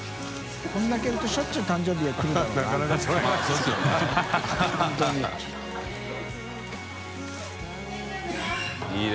これだけいるとしょっちゅう誕生日来るだろうな泙そうですよね。